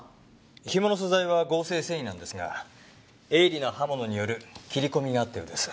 ひもの素材は合成繊維なんですが鋭利な刃物による切り込みがあったようです。